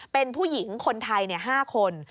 เป็นผู้หญิงคนไทย๕คน